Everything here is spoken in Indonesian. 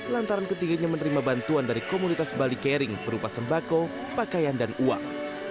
lantaran ketiganya menerima bantuan dari komunitas bali caring berupa sembako pakaian dan uang